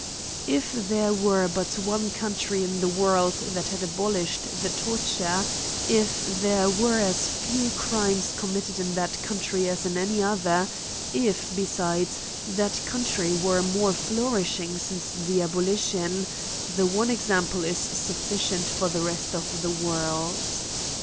If there were but one country in the world that had abolished the torture ; if there were as few crimes committed in^hat country as in any other ; if, besides, that country were more flourishing since the abolition ; the one example is suflicient for the rest of the world.